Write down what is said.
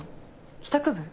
帰宅部？